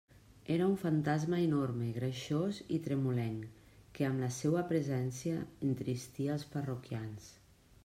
Era un fantasma enorme, greixós i tremolenc, que amb la seua presència entristia els parroquians.